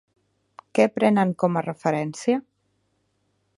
Què prenen com a referència?